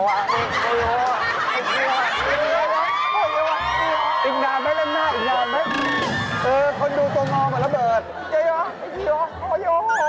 ไอ้นะเล่นหน้าด้วย